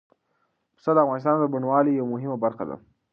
پسه د افغانستان د بڼوالۍ یوه مهمه برخه ده.